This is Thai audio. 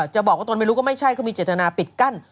จะบอกว่าตนไม่รู้ก็ไม่ใช่เขามีเจตนาปิดกั้น